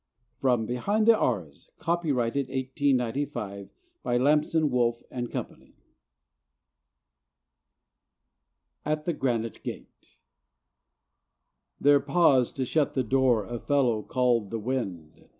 From 'Behind the Arras': copyrighted 1895, by Lamson, Wolffe and Company AT THE GRANITE GATE There paused to shut the door A fellow called the Wind.